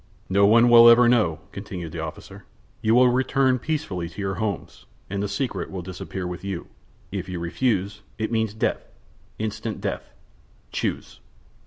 "No one will ever know," continued the officer. "You will return peacefully to your homes, and the secret will disappear with you. If you refuse, it means death instant death. Choose!"